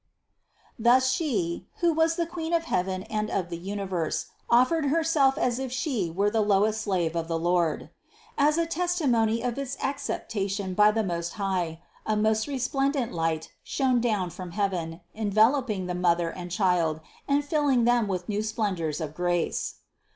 350. Thus She who was the Queen of heaven and of the universe, offered Herself as if She were the lowest slave of the Lord. As a testimony of its acceptation by THE CONCEPTION 281 the Most High, a most resplendent light shone down from heaven, enveloping the mother and Child, and rill ing them with new splendors of grace.